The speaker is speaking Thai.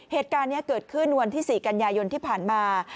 เหตุการณ์นี้เกิดขึ้นวันที่๔กันยายนที่ผ่านมา